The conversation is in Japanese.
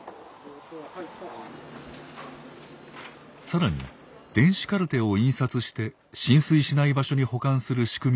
更に電子カルテを印刷して浸水しない場所に保管する仕組みを整備。